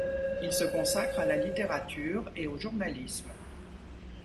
Il se consacre à la littérature et au journalisme.